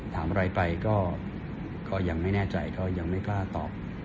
ถามอะไรไปก็ยังไม่แน่ใจก็ยังไม่กล้าตอบ